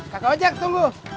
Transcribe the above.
kakak wajah tunggu